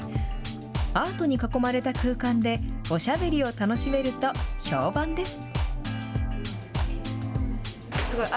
アートに囲まれた空間で、おしゃべりを楽しめると評判です。